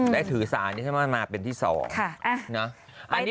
แต่ถือสารเนี่ยก็บำมากเป็นอีกที่สอง